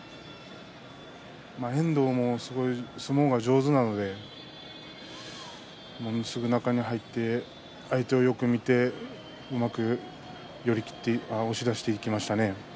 遠藤もすごい相撲が上手なのですぐに中に入って相手をよく見てうまく寄り切って押し出していきましたね。